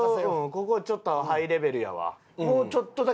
ここはちょっとハイレベルやわ。